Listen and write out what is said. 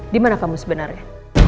dimana kamu sebenarnya